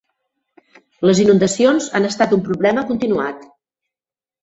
Les inundacions han estat un problema continuat.